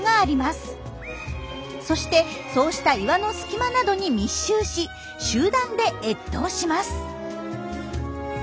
そしてそうした岩の隙間などに密集し集団で越冬します。